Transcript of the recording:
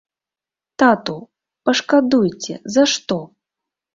Тату, пашкадуйце, за што?